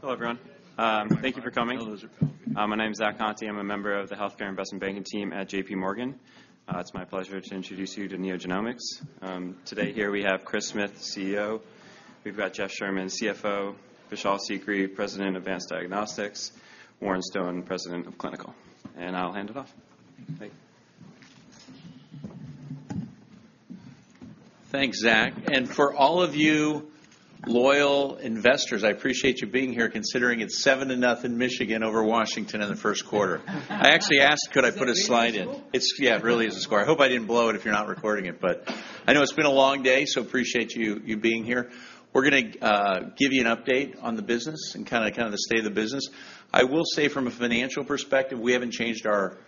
Hello, everyone. Thank you for coming. My name is Zach Conti. I'm a member of the Healthcare Investment Banking team at J.P. Morgan. It's my pleasure to introduce you to NeoGenomics. Today, here we have Chris Smith, the CEO. We've got Jeff Sherman, CFO, Vishal Sikri, President, Advanced Diagnostics, Warren Stone, President of Clinical. I'll hand it off. Thank you. Thanks, Zach, and for all of you loyal investors, I appreciate you being here, considering it's 7 to 0, Michigan over Washington in the Q1. I actually asked, could I put a slide in? Is it really the score? It's yeah, it really is the score. I hope I didn't blow it if you're not recording it, but I know it's been a long day, so appreciate you being here. We're gonna give you an update on the business and kinda the state of the business. I will say from a financial perspective, we haven't changed our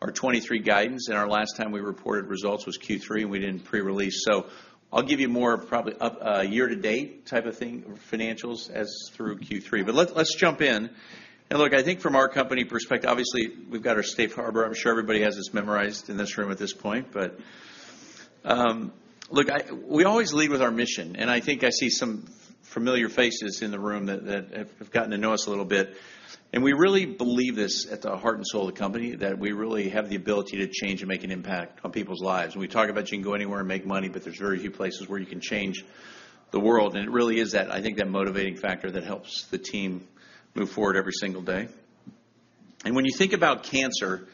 2023 guidance, and our last time we reported results was Q3, and we didn't pre-release. So I'll give you more probably up year-to-date type of thing, financials as through Q3. But let's jump in. Look, I think from our company perspective, obviously, we've got our Safe Harbor. I'm sure everybody has this memorized in this room at this point, but look, I... We always lead with our mission, and I think I see some familiar faces in the room that have gotten to know us a little bit. And we really believe this at the heart and soul of the company, that we really have the ability to change and make an impact on people's lives. And we talk about you can go anywhere and make money, but there's very few places where you can change the world. And it really is that, I think, that motivating factor that helps the team move forward every single day. And when you think about cancer,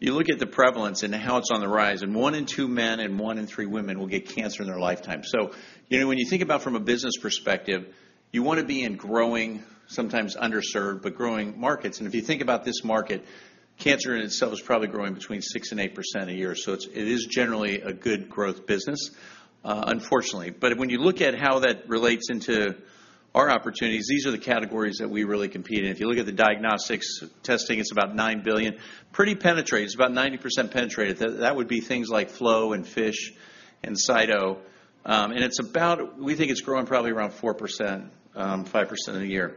you look at the prevalence and how it's on the rise, and one in two men and one in three women will get cancer in their lifetime. So, you know, when you think about from a business perspective, you wanna be in growing, sometimes underserved, but growing markets. And if you think about this market, cancer in itself is probably growing between 6% and 8% a year. So it is generally a good growth business, unfortunately. But when you look at how that relates into our opportunities, these are the categories that we really compete in. If you look at the diagnostics testing, it's about $9 billion. Pretty penetrated, it's about 90% penetrated. That, that would be things like flow and FISH and Cyto. And it's about—we think it's growing probably around 4%, 5% a year.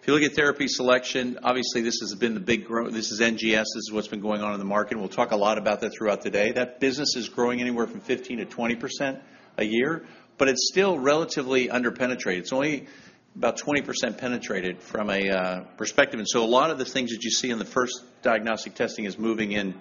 If you look at therapy selection, obviously, this has been the big growth. This is NGS, this is what's been going on in the market, and we'll talk a lot about that throughout the day. That business is growing anywhere from 15%-20% a year, but it's still relatively underpenetrated. It's only about 20% penetrated from a perspective. And so a lot of the things that you see in the first diagnostic testing is moving into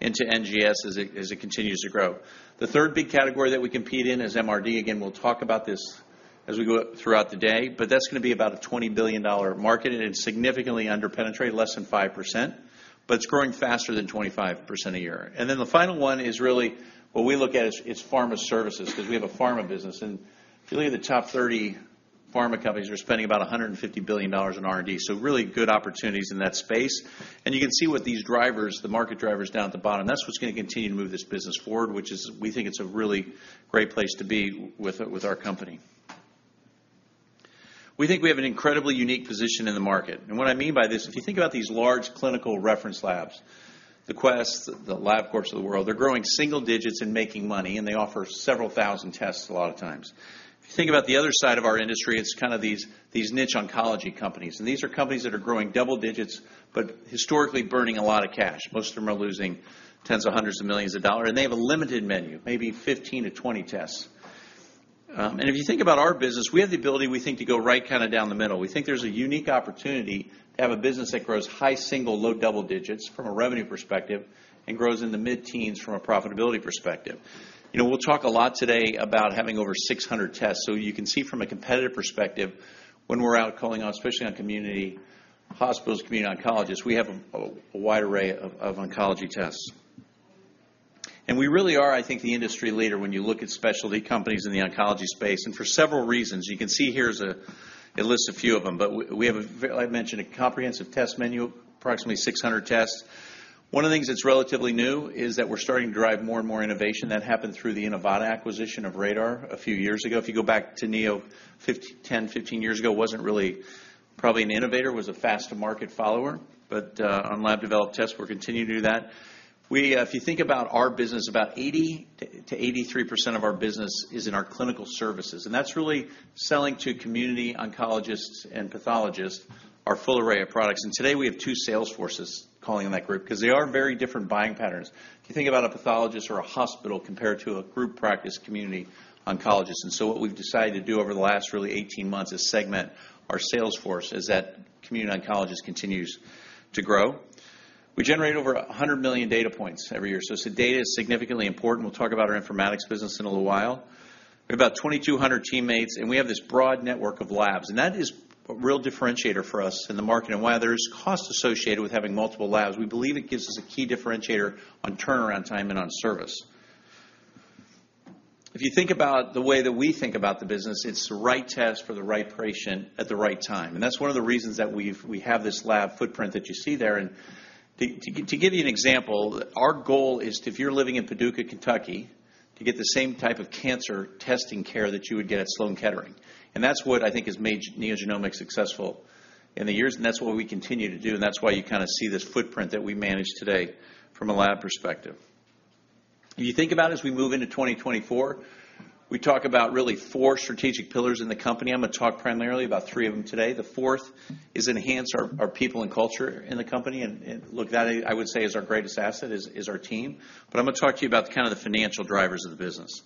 NGS as it continues to grow. The third big category that we compete in is MRD. Again, we'll talk about this as we go throughout the day, but that's gonna be about a $20 billion market, and it's significantly underpenetrated, less than 5%, but it's growing faster than 25% a year. And then the final one is really, what we look at, is pharma services, because we have a pharma business. And if you look at the top 30 pharma companies, they're spending about $150 billion in R&D, so really good opportunities in that space. And you can see what these drivers, the market drivers down at the bottom. That's what's gonna continue to move this business forward, which is, we think it's a really great place to be with our company. We think we have an incredibly unique position in the market. And what I mean by this, if you think about these large clinical reference labs, the Quest, the Labcorp of the world, they're growing single digits and making money, and they offer several thousand tests a lot of times. If you think about the other side of our industry, it's kind of these niche oncology companies. These are companies that are growing double digits, but historically burning a lot of cash. Most of them are losing tens of hundreds of millions of dollars, and they have a limited menu, maybe 15-20 tests. And if you think about our business, we have the ability, we think, to go right kinda down the middle. We think there's a unique opportunity to have a business that grows high single, low double digits from a revenue perspective, and grows in the mid-teens from a profitability perspective. You know, we'll talk a lot today about having over 600 tests. So you can see from a competitive perspective, when we're out calling on, especially on community hospitals, community oncologists, we have a, a wide array of, of oncology tests. We really are, I think, the industry leader when you look at specialty companies in the oncology space, and for several reasons. You can see here's a, it lists a few of them, but we have a I mentioned, a comprehensive test menu, approximately 600 tests. One of the things that's relatively new is that we're starting to drive more and more innovation. That happened through the Inivata acquisition of RaDaR a few years ago. If you go back to Neo, 10, 15 years ago, wasn't really probably an innovator, was a fast-to-market follower, but on lab-developed tests, we're continuing to do that. If you think about our business, about 80%-83% of our business is in our clinical services, and that's really selling to community oncologists and pathologists, our full array of products. Today, we have two sales forces calling on that group because they are very different buying patterns. If you think about a pathologist or a hospital compared to a group practice community oncologist. So what we've decided to do over the last really 18 months is segment our sales force as that community oncologist continues to grow. We generate over 100 million data points every year, so data is significantly important. We'll talk about our informatics business in a little while. We have about 2,200 teammates, and we have this broad network of labs, and that is a real differentiator for us in the market. While there is cost associated with having multiple labs, we believe it gives us a key differentiator on turnaround time and on service. If you think about the way that we think about the business, it's the right test for the right patient at the right time. That's one of the reasons that we have this lab footprint that you see there. To give you an example, our goal is, if you're living in Paducah, Kentucky, to get the same type of cancer testing care that you would get at Sloan Kettering. That's what I think has made NeoGenomics successful in the years, and that's what we continue to do, and that's why you kind of see this footprint that we manage today from a lab perspective. If you think about as we move into 2024, we talk about really four strategic pillars in the company. I'm going to talk primarily about three of them today. The fourth is enhance our people and culture in the company, and look, that I would say is our greatest asset, is our team. But I'm gonna talk to you about kind of the financial drivers of the business.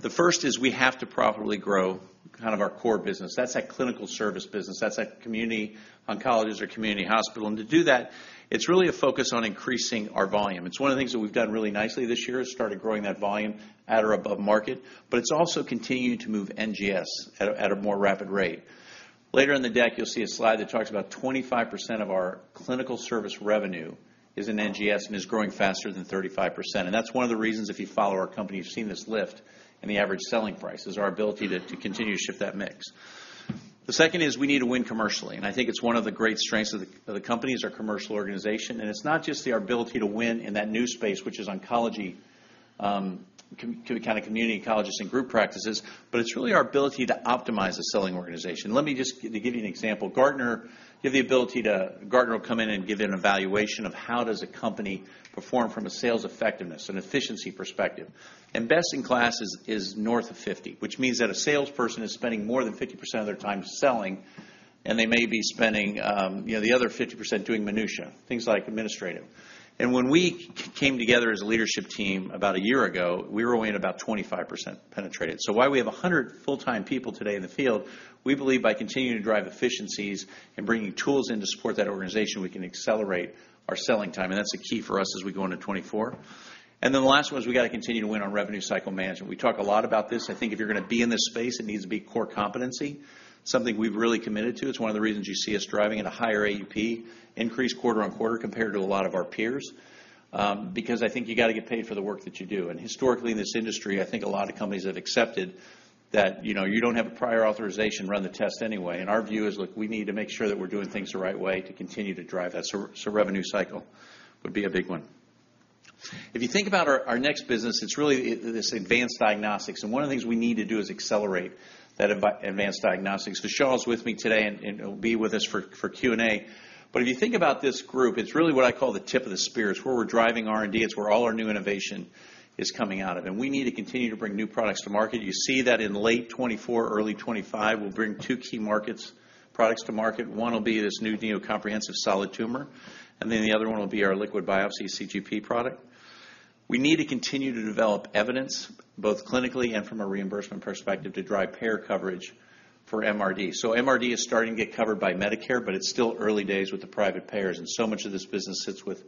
The first is we have to profitably grow kind of our core business. That's that clinical service business, that's that community oncologist or community hospital. And to do that, it's really a focus on increasing our volume. It's one of the things that we've done really nicely this year, is started growing that volume at or above market, but it's also continuing to move NGS at a more rapid rate. Later in the deck, you'll see a slide that talks about 25% of our clinical service revenue is in NGS and is growing faster than 35%. That's one of the reasons, if you follow our company, you've seen this lift in the average selling price, is our ability to continue to shift that mix. The second is we need to win commercially, and I think it's one of the great strengths of the company, is our commercial organization. It's not just the ability to win in that new space, which is oncology, come to the kind of community oncologists and group practices, but it's really our ability to optimize the selling organization. Let me just give you an example. Gartner will come in and give you an evaluation of how does a company perform from a sales effectiveness and efficiency perspective. Best in class is north of 50, which means that a salesperson is spending more than 50% of their time selling, and they may be spending, you know, the other 50% doing minutia, things like administrative. When we came together as a leadership team about a year ago, we were only at about 25% penetrated. So while we have 100 full-time people today in the field, we believe by continuing to drive efficiencies and bringing tools in to support that organization, we can accelerate our selling time, and that's the key for us as we go into 2024. Then the last one is we got to continue to win on revenue cycle management. We talk a lot about this. I think if you're going to be in this space, it needs to be core competency, something we've really committed to. It's one of the reasons you see us driving at a higher AUP increase quarter-on-quarter compared to a lot of our peers, because I think you got to get paid for the work that you do. And historically, in this industry, I think a lot of companies have accepted that, you know, you don't have a prior authorization, run the test anyway. And our view is, look, we need to make sure that we're doing things the right way to continue to drive that. So, so revenue cycle would be a big one. If you think about our, our next business, it's really this advanced diagnostics, and one of the things we need to do is accelerate that advanced diagnostics. Vishal is with me today and will be with us for Q&A. But if you think about this group, it's really what I call the tip of the spear. It's where we're driving R&D, it's where all our new innovation is coming out of, and we need to continue to bring new products to market. You see that in late 2024, early 2025, we'll bring two key markets-- products to market. One will be this new Neo Comprehensive solid tumor, and then the other one will be our liquid biopsy CGP product. We need to continue to develop evidence, both clinically and from a reimbursement perspective, to drive payer coverage for MRD. So MRD is starting to get covered by Medicare, but it's still early days with the private payers, and so much of this business sits with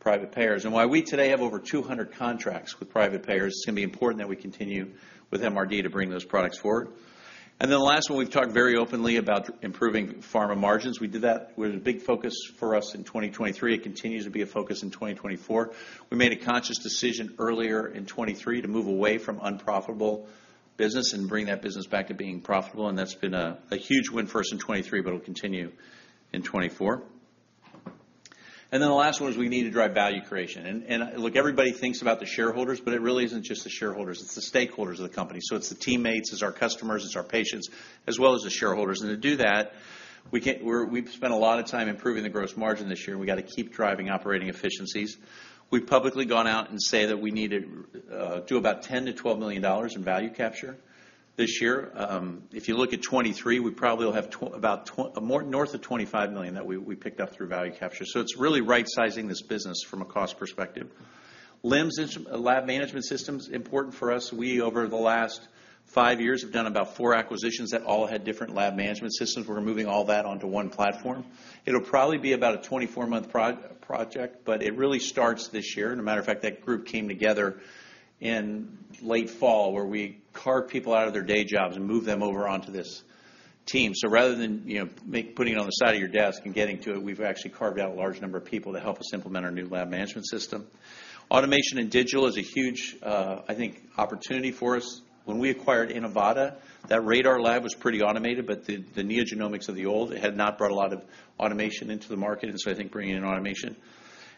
private payers. And while we today have over 200 contracts with private payers, it's going to be important that we continue with MRD to bring those products forward. And then the last one, we've talked very openly about improving pharma margins. We did that with a big focus for us in 2023. It continues to be a focus in 2024. We made a conscious decision earlier in 2023 to move away from unprofitable business and bring that business back to being profitable, and that's been a huge win for us in 2023, but it'll continue in 2024. And then the last one is we need to drive value creation. And, look, everybody thinks about the shareholders, but it really isn't just the shareholders, it's the stakeholders of the company. So it's the teammates, it's our customers, it's our patients, as well as the shareholders. And to do that, we've spent a lot of time improving the gross margin this year, and we got to keep driving operating efficiencies. We've publicly gone out and say that we needed do about $10-$12 million in value capture this year. If you look at 2023, we probably will have more north of $25 million that we picked up through value capture. So it's really right-sizing this business from a cost perspective. LIMS, lab management system is important for us. We, over the last five years, have done about four acquisitions that all had different lab management systems. We're moving all that onto one platform. It'll probably be about a 24-month project, but it really starts this year. As a matter of fact, that group came together in late fall, where we carved people out of their day jobs and moved them over onto this team. So rather than, you know, putting it on the side of your desk and getting to it, we've actually carved out a large number of people to help us implement our new lab management system. Automation and digital is a huge, I think, opportunity for us. When we acquired Inivata, that RaDaR lab was pretty automated, but the NeoGenomics of the old had not brought a lot of automation into the market, and so I think bringing in automation.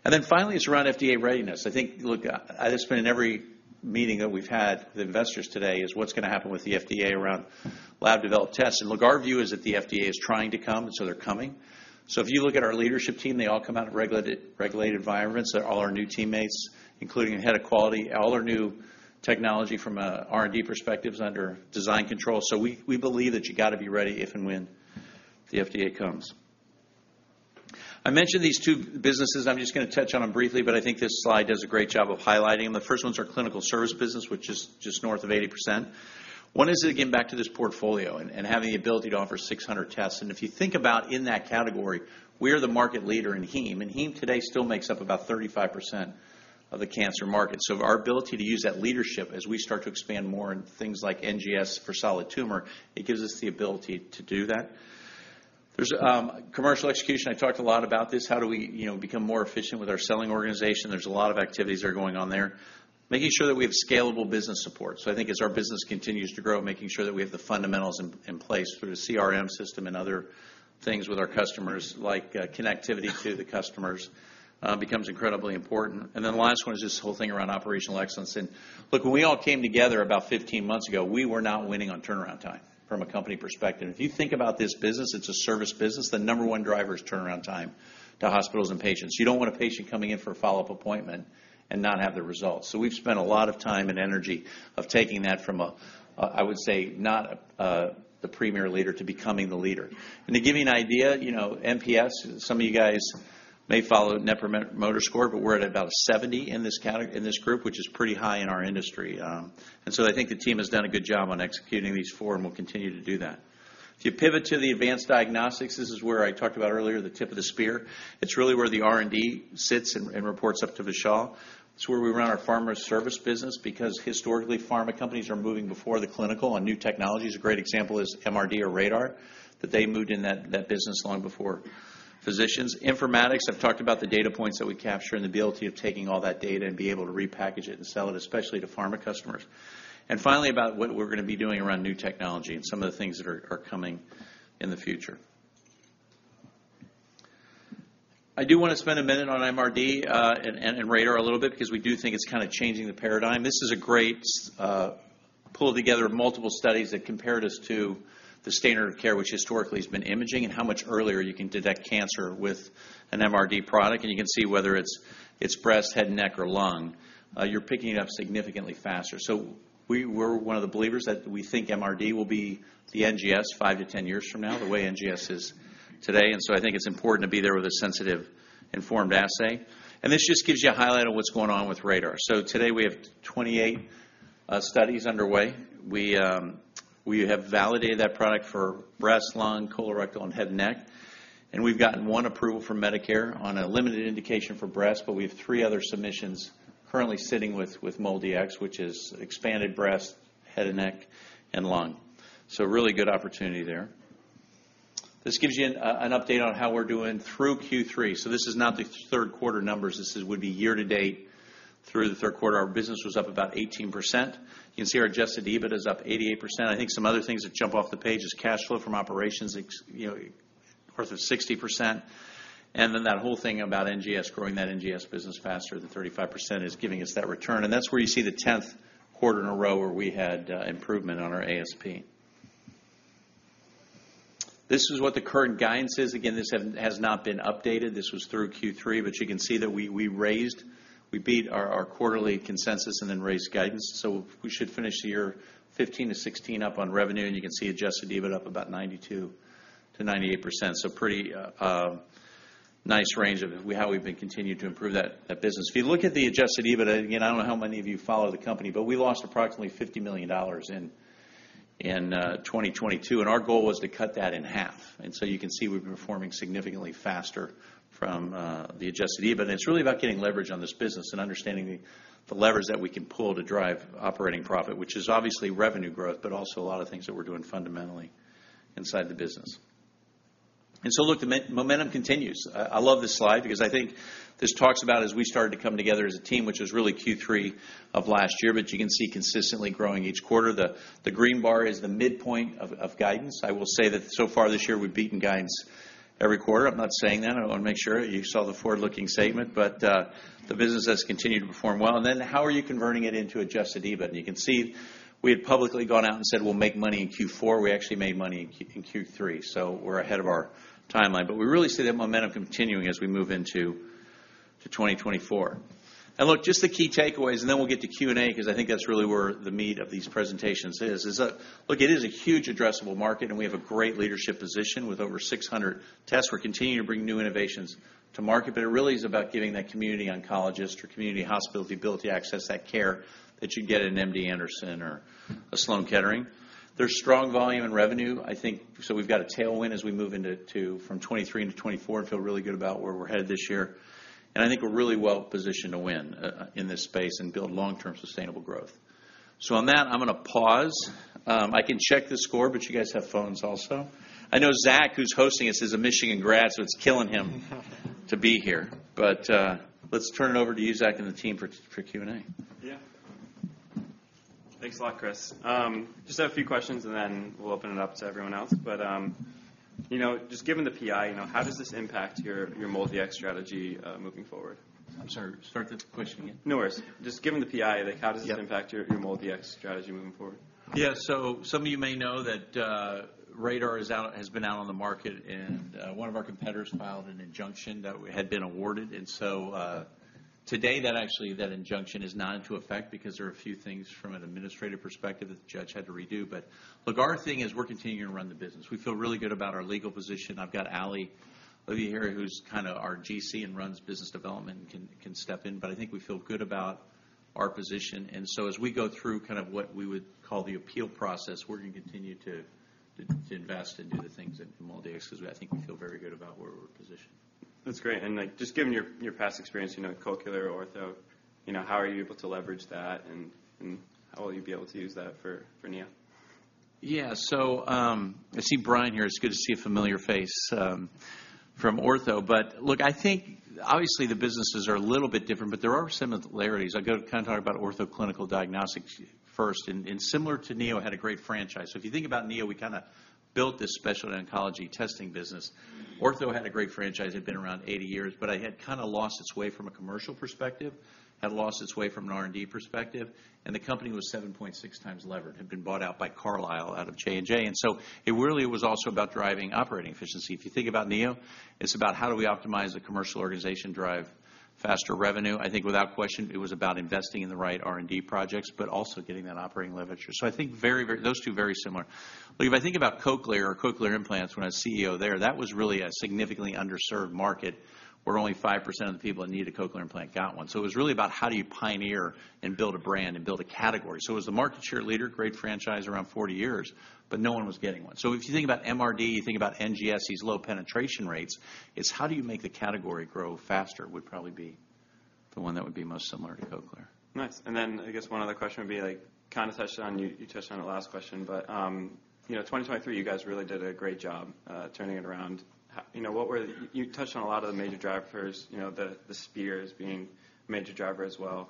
And then finally, it's around FDA readiness. I think, look, it's been in every meeting that we've had with investors today, is what's going to happen with the FDA around lab-developed tests. And look, our view is that the FDA is trying to come, and so they're coming. So if you look at our leadership team, they all come out of regulated, regulated environments. They're all our new teammates, including the head of quality. All our new technology from a R&D perspective is under design control. So we, we believe that you got to be ready if and when the FDA comes. I mentioned these two businesses. I'm just going to touch on them briefly, but I think this slide does a great job of highlighting them. The first one's our clinical service business, which is just north of 80%. One is, again, back to this portfolio and, and having the ability to offer 600 tests. And if you think about in that category, we are the market leader in heme, and heme today still makes up about 35% of the cancer market. So our ability to use that leadership as we start to expand more into things like NGS for solid tumor, it gives us the ability to do that. There's commercial execution. I talked a lot about this. How do we, you know, become more efficient with our selling organization? There's a lot of activities that are going on there. Making sure that we have scalable business support. So I think as our business continues to grow, making sure that we have the fundamentals in place through the CRM system and other things with our customers, like, connectivity to the customers, becomes incredibly important. And then the last one is just this whole thing around operational excellence, and-... Look, when we all came together about 15 months ago, we were not winning on turnaround time from a company perspective. If you think about this business, it's a service business. The number one driver is turnaround time to hospitals and patients. You don't want a patient coming in for a follow-up appointment and not have the results. So we've spent a lot of time and energy of taking that from a, I would say, not the premier leader, to becoming the leader. And to give you an idea, you know, NPS, some of you guys may follow Net Promoter Score, but we're at about 70 in this category in this group, which is pretty high in our industry. And so I think the team has done a good job on executing these four, and we'll continue to do that. If you pivot to the advanced diagnostics, this is where I talked about earlier, the tip of the spear. It's really where the R&D sits and reports up to Vishal. It's where we run our pharma service business, because historically, pharma companies are moving before the clinical on new technologies. A great example is MRD or RaDaR, that they moved in that business long before physicians. Informatics, I've talked about the data points that we capture and the ability of taking all that data and being able to repackage it and sell it, especially to pharma customers. And finally, about what we're gonna be doing around new technology and some of the things that are coming in the future. I do want to spend a minute on MRD and RaDaR a little bit, because we do think it's kinda changing the paradigm. This is a great pull together of multiple studies that compared us to the standard of care, which historically has been imaging, and how much earlier you can detect cancer with an MRD product. And you can see whether it's breast, head, neck, or lung, you're picking it up significantly faster. So we're one of the believers that we think MRD will be the NGS 5-10 years from now, the way NGS is today, and so I think it's important to be there with a sensitive, informed assay. And this just gives you a highlight of what's going on with RaDaR. So today we have 28 studies underway. We, we have validated that product for breast, lung, colorectal, and head and neck, and we've gotten one approval from Medicare on a limited indication for breast, but we have three other submissions currently sitting with MolDX, which is expanded breast, head and neck, and lung. So a really good opportunity there. This gives you an update on how we're doing through Q3. So this is not the Q3 numbers. This is, would be year to date. Through the Q3, our business was up about 18%. You can see our adjusted EBIT is up 88%. I think some other things that jump off the page is cash flow from operations, ex- you know, growth of 60%, and then that whole thing about NGS, growing that NGS business faster than 35% is giving us that return. And that's where you see the tenth quarter in a row where we had improvement on our ASP. This is what the current guidance is. Again, this has not been updated. This was through Q3, but you can see that we raised. We beat our quarterly consensus and then raised guidance. So we should finish the year 15%-16% up on revenue, and you can see adjusted EBIT up about 92%-98%. So pretty nice range of how we've been continuing to improve that business. If you look at the adjusted EBIT, again, I don't know how many of you follow the company, but we lost approximately $50 million in 2022, and our goal was to cut that in half. And so you can see we've been performing significantly faster from the adjusted EBIT. It's really about getting leverage on this business and understanding the levers that we can pull to drive operating profit, which is obviously revenue growth, but also a lot of things that we're doing fundamentally inside the business. So look, the momentum continues. I love this slide because I think this talks about as we started to come together as a team, which was really Q3 of last year, but you can see consistently growing each quarter. The green bar is the midpoint of guidance. I will say that so far this year, we've beaten guidance every quarter. I'm not saying that. I want to make sure you saw the forward-looking statement, but the business has continued to perform well. And then, how are you converting it into adjusted EBIT? You can see we had publicly gone out and said, "We'll make money in Q4." We actually made money in Q3, so we're ahead of our timeline. But we really see that momentum continuing as we move into 2024. Look, just the key takeaways, and then we'll get to Q&A, because I think that's really where the meat of these presentations is, is that, look, it is a huge addressable market, and we have a great leadership position with over 600 tests. We're continuing to bring new innovations to market, but it really is about giving that community oncologist or community hospital the ability to access that care that you'd get at an MD Anderson or a Sloan Kettering. There's strong volume and revenue, I think, so we've got a tailwind as we move into from 2023 into 2024, and feel really good about where we're headed this year. And I think we're really well positioned to win in this space and build long-term sustainable growth. So on that, I'm gonna pause. I can check the score, but you guys have phones also. I know Zach, who's hosting this, is a Michigan grad, so it's killing him to be here. But, let's turn it over to you, Zach, and the team for Q&A. Yeah. Thanks a lot, Chris. Just have a few questions, and then we'll open it up to everyone else. But, you know, just given the PI, you know, how does this impact your, your MolDX strategy, moving forward? I'm sorry, start the question again. No worries. Just given the PI, like, how does this impact- Yep Your MolDX strategy moving forward? Yeah, so some of you may know that, RaDaR is out, has been out on the market, and one of our competitors filed an injunction that had been awarded. And so, today, that actually, that injunction is not in effect because there are a few things from an administrative perspective that the judge had to redo. But look, our thing is we're continuing to run the business. We feel really good about our legal position. I've got Ali over here, who's kinda our GC and runs business development, and can step in, but I think we feel good about our position. And so as we go through kind of what we would call the appeal process, we're gonna continue to invest and do the things at MolDX, because I think we feel very good about where we're positioned. That's great. And, like, just given your past experience, you know, Cochlear, Ortho, you know, how are you able to leverage that, and how will you be able to use that for Neo? Yeah. So, I see Brian here. It's good to see a familiar face, from Ortho. But look, I think obviously the businesses are a little bit different, but there are some similarities. I'll go to kind of talk about Ortho Clinical Diagnostics first, and, and similar to Neo, had a great franchise. So if you think about Neo, we kinda built this special oncology testing business. Ortho had a great franchise, it'd been around 80 years, but it had kinda lost its way from a commercial perspective, had lost its way from an R&D perspective, and the company was 7.6 times levered, had been bought out by Carlyle out of J&J. And so it really was also about driving operating efficiency. If you think about Neo, it's about how do we optimize the commercial organization, drive faster revenue? I think without question, it was about investing in the right R&D projects, but also getting that operating leverage. So I think very, very, those two, very similar. Look, if I think about Cochlear or cochlear implants, when I was CEO there, that was really a significantly underserved market, where only 5% of the people that need a cochlear implant got one. So it was really about how do you pioneer and build a brand and build a category? So it was a market share leader, great franchise, around 40 years, but no one was getting one. So if you think about MRD, you think about NGS, these low penetration rates, it's how do you make the category grow faster, would probably be the one that would be most similar to Cochlear. Nice. And then I guess one other question would be, like, kinda touched on—you touched on it last question, but, you know, 2023, you guys really did a great job turning it around. You know, you touched on a lot of the major drivers, you know, the spears being a major driver as well.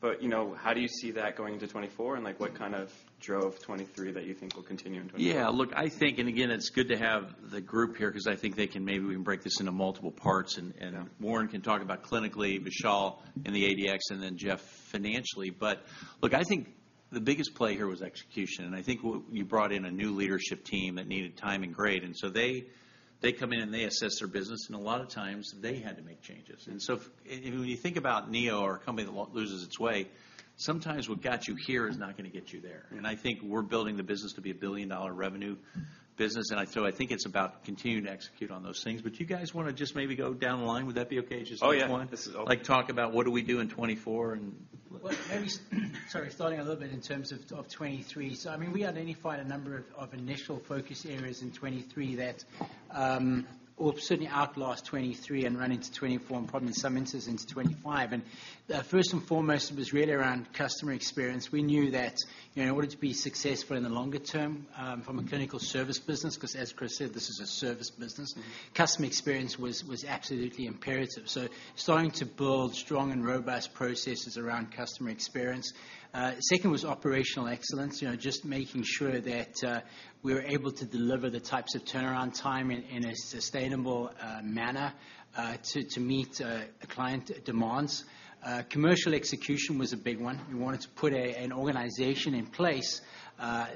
But, you know, how do you see that going into 2024, and, like, what kind of drove 2023 that you think will continue into 2024? Yeah, look, I think, and again, it's good to have the group here because I think they can... Maybe we can break this into multiple parts, and Warren can talk about clinically, Vishal in the ADX, and then Jeff financially. But look, I think the biggest play here was execution, and I think we brought in a new leadership team that needed time and grade. And so they come in, and they assess their business, and a lot of times they had to make changes. And so and when you think about Neo, or a company that loses its way, sometimes what got you here is not gonna get you there. And I think we're building the business to be a billion-dollar revenue business, and so I think it's about continuing to execute on those things. You guys wanna just maybe go down the line? Would that be okay, just- Oh, yeah. Like, talk about what do we do in 2024, and- Well, maybe, sorry, starting a little bit in terms of 2023. So, I mean, we identified a number of initial focus areas in 2023 that or certainly outlasted 2023 and run into 2024, and probably in some instances, into 2025. First and foremost, it was really around customer experience. We knew that, you know, in order to be successful in the longer term, from a clinical service business, because as Chris said, this is a service business, customer experience was absolutely imperative. So starting to build strong and robust processes around customer experience. Second was operational excellence. You know, just making sure that we were able to deliver the types of turnaround time in a sustainable manner to meet the client demands. Commercial execution was a big one. We wanted to put an organization in place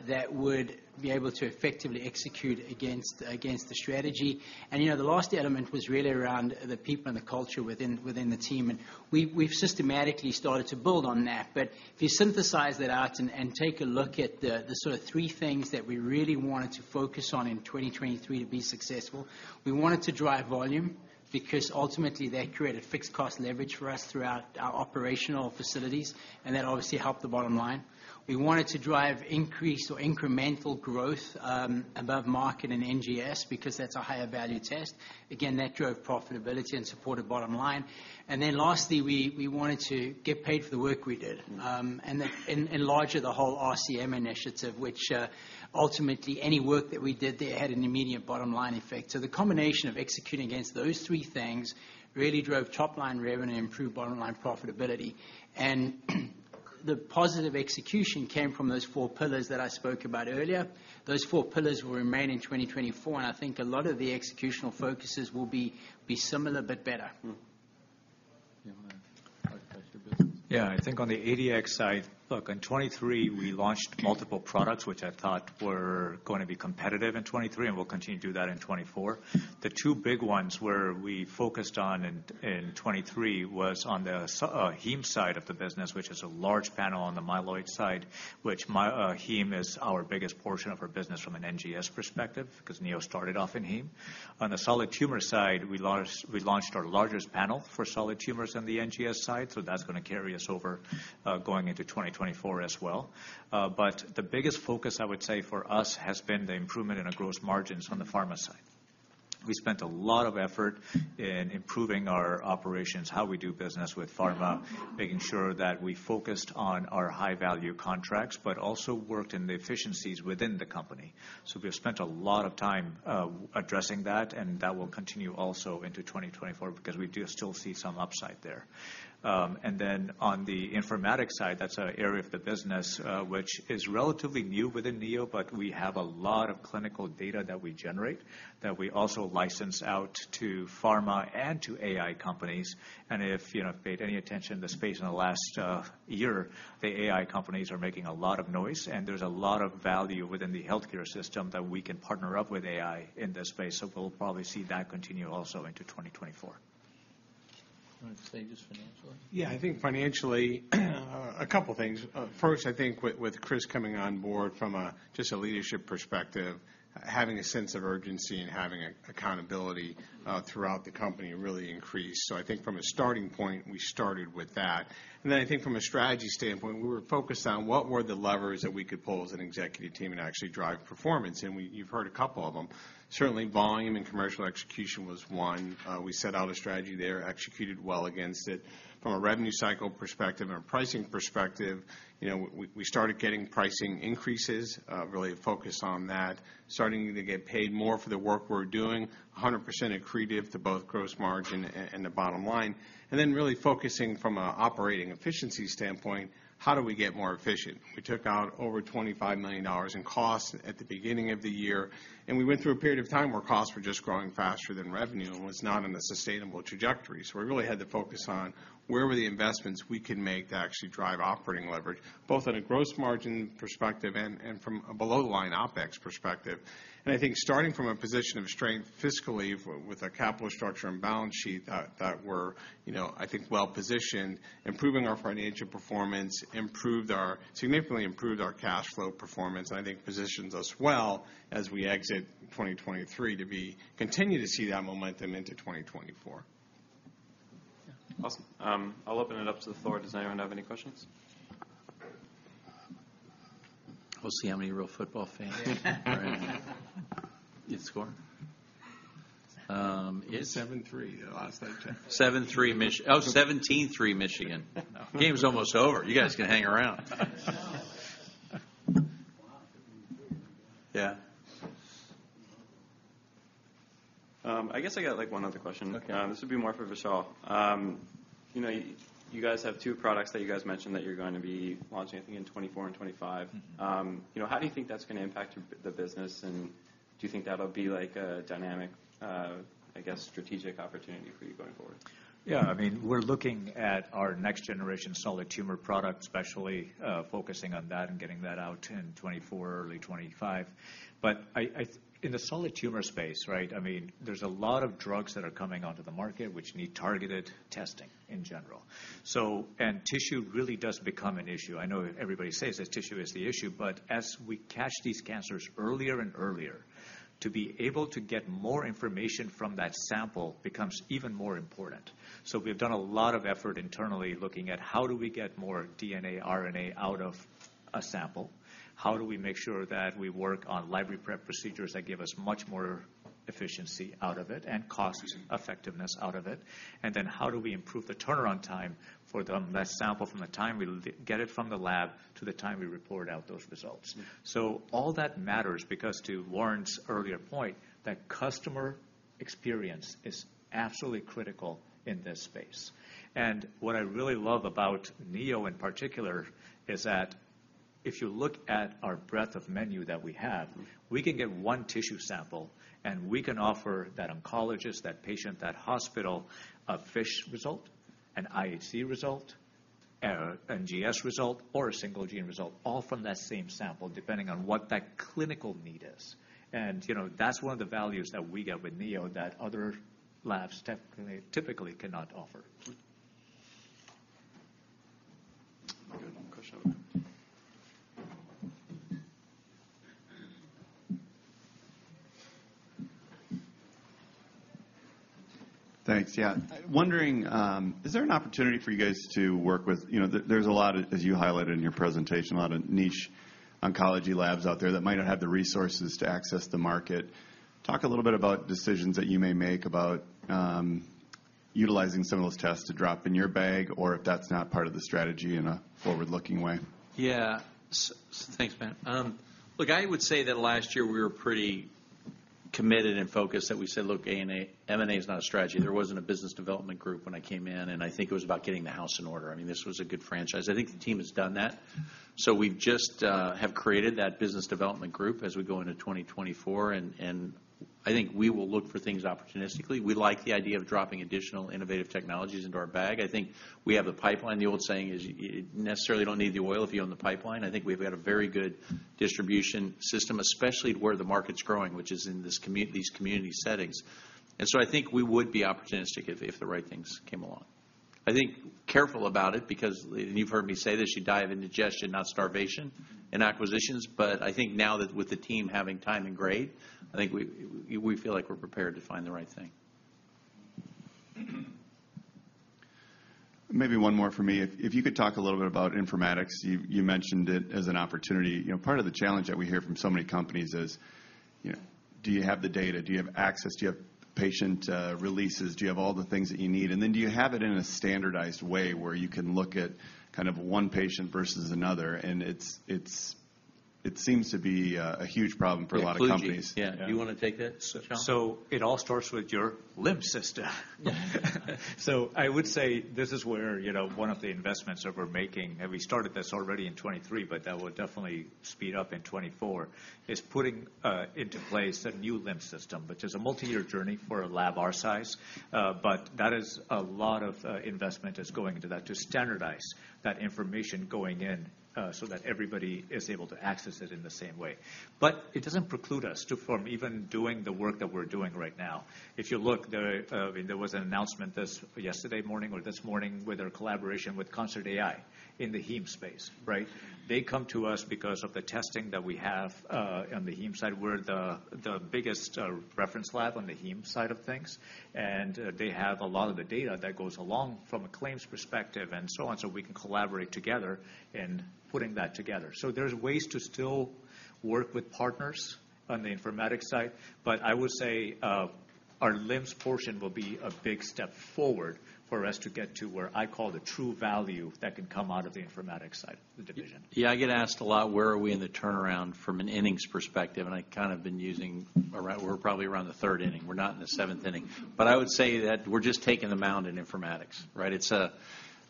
that would be able to effectively execute against the strategy. And, you know, the last element was really around the people and the culture within the team, and we've systematically started to build on that. But if you synthesize that out and take a look at the sort of three things that we really wanted to focus on in 2023 to be successful, we wanted to drive volume, because ultimately, that created fixed cost leverage for us throughout our operational facilities, and that obviously helped the bottom line. We wanted to drive increase or incremental growth above market and NGS, because that's a higher value test. Again, that drove profitability and supported bottom line. And then lastly, we wanted to get paid for the work we did. And then larger, the whole RCM initiative, which ultimately, any work that we did there had an immediate bottom line effect. So the combination of executing against those three things really drove top line revenue and improved bottom line profitability. The positive execution came from those four pillars that I spoke about earlier. Those four pillars will remain in 2024, and I think a lot of the executional focuses will be similar, but better. Mm-hmm. You wanna talk about your business? Yeah, I think on the ADX side, look, in 2023, we launched multiple products, which I thought were going to be competitive in 2023, and we'll continue to do that in 2024. The two big ones where we focused on in, in 2023 was on the s- heme side of the business, which is a large panel on the myeloid side, which my, heme is our biggest portion of our business from an NGS perspective, because Neo started off in heme. On the solid tumor side, we launched, we launched our largest panel for solid tumors on the NGS side, so that's gonna carry us over, going into 2024 as well. But the biggest focus, I would say, for us, has been the improvement in our gross margins on the pharma side. We spent a lot of effort in improving our operations, how we do business with pharma, making sure that we focused on our high-value contracts, but also worked in the efficiencies within the company. So we have spent a lot of time, addressing that, and that will continue also into 2024, because we do still see some upside there. And then on the informatics side, that's an area of the business, which is relatively new within Neo, but we have a lot of clinical data that we generate, that we also license out to pharma and to AI companies. And if, you know, paid any attention to the space in the last, year, the AI companies are making a lot of noise, and there's a lot of value within the healthcare system that we can partner up with AI in this space. We'll probably see that continue also into 2024. You want to say just financially? Yeah, I think financially, a couple of things. First, I think with Chris coming on board from a just a leadership perspective, having a sense of urgency and having accountability throughout the company really increased. So I think from a starting point, we started with that. And then I think from a strategy standpoint, we were focused on what were the levers that we could pull as an executive team and actually drive performance, and you've heard a couple of them. Certainly volume and commercial execution was one. We set out a strategy there, executed well against it. From a revenue cycle perspective and a pricing perspective, you know, we started getting pricing increases, really a focus on that, starting to get paid more for the work we're doing, 100% accretive to both gross margin and the bottom line. And then really focusing from an operating efficiency standpoint, how do we get more efficient? We took out over $25 million in costs at the beginning of the year, and we went through a period of time where costs were just growing faster than revenue, and it was not in a sustainable trajectory. So we really had to focus on where were the investments we can make to actually drive operating leverage, both on a gross margin perspective and from a below-the-line OpEx perspective. And I think starting from a position of strength fiscally, with a capital structure and balance sheet that were, you know, I think well-positioned, improving our financial performance, significantly improved our cash flow performance, and I think positions us well as we exit 2023 to continue to see that momentum into 2024. Awesome. I'll open it up to the floor. Does anyone have any questions? We'll see how many real football fans are in here. You score? It's- 7-3, the last I checked. 7-3, Mich- oh, 17-3, Michigan. Game's almost over. You guys can hang around. Wow! Yeah. I guess I got, like, one other question. Okay. This would be more for Vishal. You know, you guys have two products that you guys mentioned that you're going to be launching, I think, in 2024 and 2025. Mm-hmm. You know, how do you think that's going to impact your... the business, and do you think that'll be, like, a dynamic, I guess, strategic opportunity for you going forward? Yeah. I mean, we're looking at our next generation solid tumor product, especially, focusing on that and getting that out in 2024, early 2025. But I... In the solid tumor space, right, I mean, there's a lot of drugs that are coming onto the market, which need targeted testing in general. So, and tissue really does become an issue. I know everybody says that tissue is the issue, but as we catch these cancers earlier and earlier, to be able to get more information from that sample becomes even more important. So we've done a lot of effort internally, looking at how do we get more DNA, RNA out of a sample? How do we make sure that we work on library prep procedures that give us much more efficiency out of it and cost effectiveness out of it? And then, how do we improve the turnaround time for that sample from the time we get it from the lab to the time we report out those results? Mm. All that matters, because to Lauren's earlier point, that customer experience is absolutely critical in this space. What I really love about Neo, in particular, is that if you look at our breadth of menu that we have- Mm We can get one tissue sample, and we can offer that oncologist, that patient, that hospital, a FISH result, an IHC result, a NGS result, or a single gene result, all from that same sample, depending on what that clinical need is. And, you know, that's one of the values that we get with Neo that other labs typically cannot offer. Good. Question over there. Thanks. Yeah. I'm wondering, is there an opportunity for you guys to work with... You know, there, there's a lot of, as you highlighted in your presentation, a lot of niche oncology labs out there that might not have the resources to access the market. Talk a little bit about decisions that you may make about, utilizing some of those tests to drop in your bag, or if that's not part of the strategy in a forward-looking way. Yeah. Thanks, Matt. Look, I would say that last year we were pretty committed and focused, that we said: Look, A&A, M&A is not a strategy. There wasn't a business development group when I came in, and I think it was about getting the house in order. I mean, this was a good franchise. I think the team has done that. So we've just have created that business development group as we go into 2024, and I think we will look for things opportunistically. We like the idea of dropping additional innovative technologies into our bag. I think we have the pipeline. The old saying is, you necessarily don't need the oil if you own the pipeline. I think we've got a very good distribution system, especially where the market's growing, which is in these community settings. So I think we would be opportunistic if the right things came along. I think careful about it, because, and you've heard me say this, you dive into digestion, not starvation, in acquisitions. But I think now that with the team having time and grade, I think we feel like we're prepared to find the right thing. Maybe one more from me. If you could talk a little bit about informatics. You mentioned it as an opportunity. You know, part of the challenge that we hear from so many companies is, you know, do you have the data? Do you have access? Do you have patient releases? Do you have all the things that you need? And then, do you have it in a standardized way where you can look at kind of one patient versus another? And it seems to be a huge problem for a lot of companies. Yeah, BlueJeans. Yeah. Do you want to take that, Vishal? So it all starts with your LIMS system. So I would say this is where, you know, one of the investments that we're making, and we started this already in 2023, but that will definitely speed up in 2024, is putting into place a new LIMS system, which is a multi-year journey for a lab our size. But that is a lot of investment is going into that to standardize that information going in so that everybody is able to access it in the same way. But it doesn't preclude us from even doing the work that we're doing right now. If you look there was an announcement yesterday morning or this morning, with our collaboration with ConcertAI in the heme space, right? They come to us because of the testing that we have on the heme side. We're the biggest reference lab on the heme side of things, and they have a lot of the data that goes along from a claims perspective and so on, so we can collaborate together in putting that together. So there's ways to still work with partners on the informatics side, but I would say our LIMS portion will be a big step forward for us to get to where I call the true value that can come out of the informatics side of the division. Yeah, I get asked a lot, where are we in the turnaround from an innings perspective? And I kind of been using around—we're probably around the third inning. We're not in the seventh inning. But I would say that we're just taking the mound in Informatics, right? It's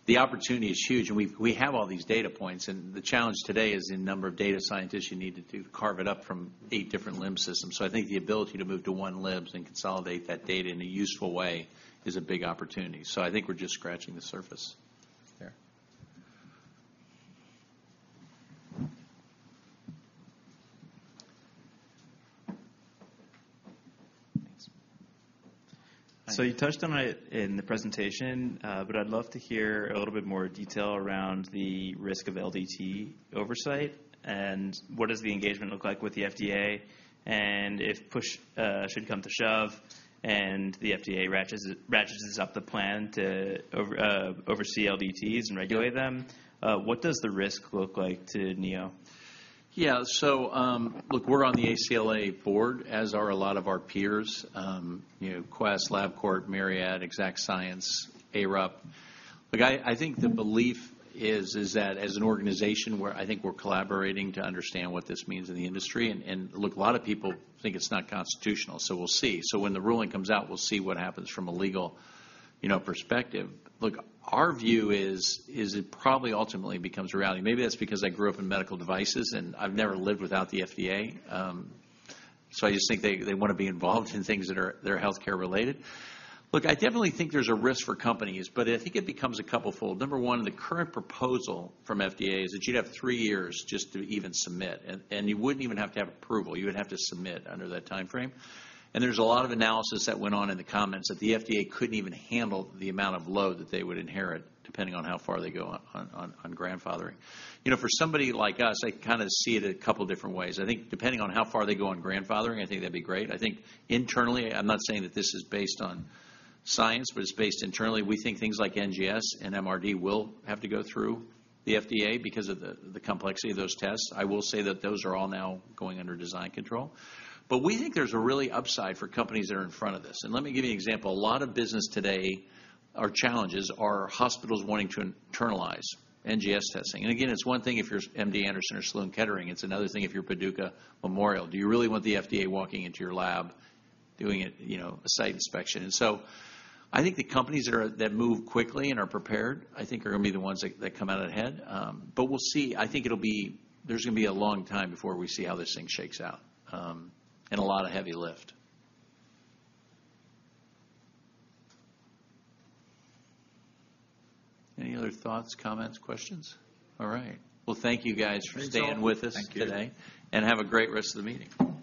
the opportunity is huge, and we've, we have all these data points, and the challenge today is the number of data scientists you need to, to carve it up from 8 different LIMS systems. So I think the ability to move to one LIMS and consolidate that data in a useful way is a big opportunity. So I think we're just scratching the surface there. So you touched on it in the presentation, but I'd love to hear a little bit more detail around the risk of LDT oversight, and what does the engagement look like with the FDA? And if push should come to shove, and the FDA ratchets up the plan to oversee LDTs and regulate them, what does the risk look like to Neo? Yeah. So, look, we're on the ACLA board, as are a lot of our peers, you know, Quest, Labcorp, Myriad, Exact Sciences, ARUP. Look, I think the belief is that as an organization, we're—I think we're collaborating to understand what this means in the industry, and look, a lot of people think it's not constitutional, so we'll see. So when the ruling comes out, we'll see what happens from a legal, you know, perspective. Look, our view is it probably ultimately becomes a reality. Maybe that's because I grew up in medical devices, and I've never lived without the FDA, so I just think they want to be involved in things that are—that are healthcare related. Look, I definitely think there's a risk for companies, but I think it becomes a couplefold. Number one, the current proposal from FDA is that you'd have 3 years just to even submit, and you wouldn't even have to have approval. You would have to submit under that timeframe. And there's a lot of analysis that went on in the comments that the FDA couldn't even handle the amount of load that they would inherit, depending on how far they go on grandfathering. You know, for somebody like us, I kind of see it a couple different ways. I think depending on how far they go on grandfathering, I think that'd be great. I think internally, I'm not saying that this is based on science, but it's based internally. We think things like NGS and MRD will have to go through the FDA because of the complexity of those tests. I will say that those are all now going under design control. But we think there's a really upside for companies that are in front of this, and let me give you an example. A lot of business today, or challenges, are hospitals wanting to internalize NGS testing. Again, it's one thing if you're MD Anderson or Sloan Kettering; it's another thing if you're Paducah Memorial. Do you really want the FDA walking into your lab, doing it, you know, a site inspection? So I think the companies that move quickly and are prepared, I think are going to be the ones that come out ahead. But we'll see. I think it'll be there's going to be a long time before we see how this thing shakes out, and a lot of heavy lift. Any other thoughts, comments, questions? All right. Well, thank you guys for staying with us today. Thank you. and have a great rest of the meeting.